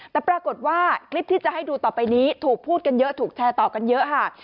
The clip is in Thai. แต่ปรากฏว่าคลิปที่จะให้ดูต่อไปนี้ถูกพูดกันเยอะถูกแชร์ต่อกันเยอะค่ะ